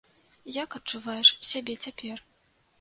Як адчуваеш сябе цяпер?